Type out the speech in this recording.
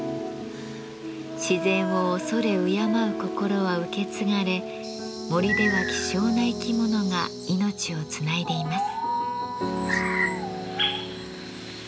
自然を畏れ敬う心は受け継がれ森では希少な生き物が命をつないでいます。